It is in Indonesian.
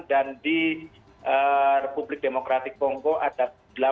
dan di republik demokratik pongo ada